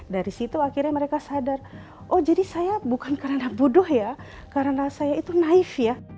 dari situ akhirnya mereka sadar oh jadi saya bukan karena bodoh ya karena saya itu naif ya